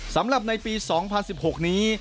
สำหรับในปี๒๐๑๖นี้